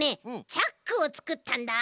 チャックをつくったんだ。